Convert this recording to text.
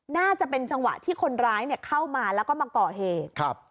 น่าจะเป็นจังหวะที่คนร้ายเข้ามาแล้วก็มาก่อเหตุครับ